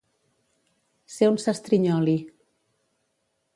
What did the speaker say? Ser un sastrinyoli.